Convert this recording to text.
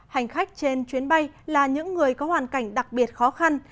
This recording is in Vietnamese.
hành khách trên chuyến bay là những người có hoàn cảnh đặc biệt khó khăn